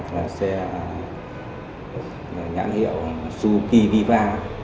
là xe nhãn hiệu suzuki viva